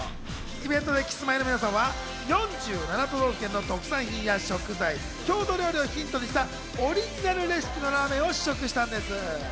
イベントでキスマイの皆さんは４７都道府県の特産品や食材、郷土料理をヒントにしたオリジナルレシピのラーメンを試食したんです。